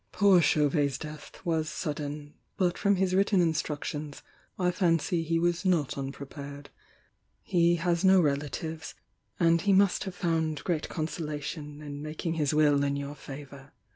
"Poor Chauvet's death was sudden, but from his written instructions I fancy he was not unprepared. He has no relatives,— and he must have found great consolation in making his will in your favour.